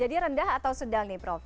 jadi rendah atau sedang nih prof